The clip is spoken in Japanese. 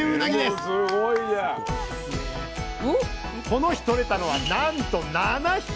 この日取れたのはなんと７匹！